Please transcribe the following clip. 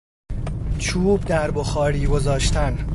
چوب در بخاری گذاشتن